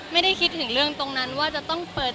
ไม่ได้คิดถึงเรื่องตรงนั้นว่าจะต้องเปิด